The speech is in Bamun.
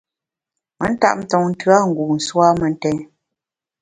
Me ntap ntonte a ngu nsù a mentèn.